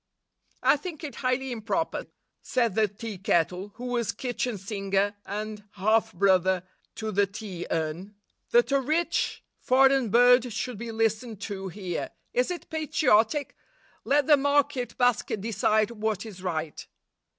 'I think it highly improper/ said the tea kettle, who was kitchen singer and half brother to the tea urn, 'that a rich foreign bird should be listened to here. Is it patriotic? Let the market basket decide what is right.